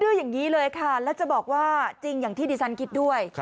อย่างนี้เลยค่ะแล้วจะบอกว่าจริงอย่างที่ดิฉันคิดด้วย